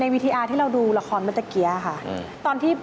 ในวิทีวิทยาที่เราดูละครเมื่อสักครีมค่ะตอนที่ขึ้น